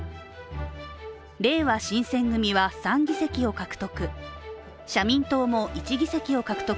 れいわ新選組は３議席を獲得。